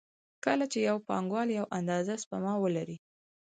کله چې یو پانګوال یوه اندازه سپما ولري